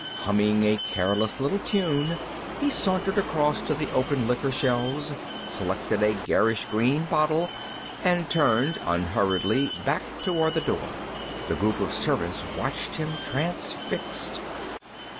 Humming a careless little tune, he sauntered across to the open liquor shelves, selected a garish green bottle and turned unhurriedly back toward the door. The group of servants watched him, transfixed.